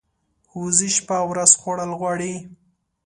وزې شپه او ورځ خوړل غواړي